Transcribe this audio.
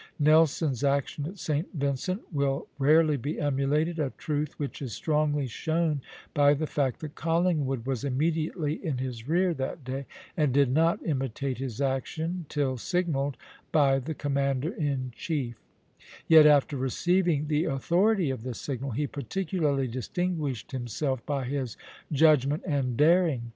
Nelson's action at St. Vincent will rarely be emulated, a truth which is strongly shown by the fact that Collingwood was immediately in his rear that day, and did not imitate his action till signalled by the commander in chief; yet after receiving the authority of the signal, he particularly distinguished himself by his judgment and daring.